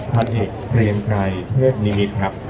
ท่านเอกเตรียมกายเทศนิมิตครับ